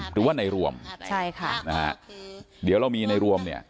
หรือว่าในรวมใช่ค่ะนะฮะเดี๋ยวเรามีในรวมเนี่ย